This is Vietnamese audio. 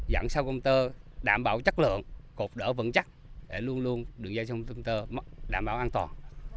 dẫn sau công tơ đảm bảo chất lượng cột đỡ vấn chắc để luôn luôn đường dây sau công tơ đảm bảo an toàn